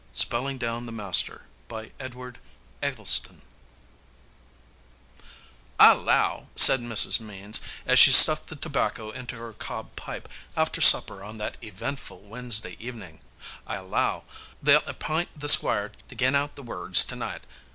SPELLING DOWN THE MASTER BY EDWARD EGGLESTON "I 'low," said Mrs. Means, as she stuffed the tobacco into her cob pipe after supper on that eventful Wednesday evening: "I 'low they'll app'int the Squire to gin out the words to night.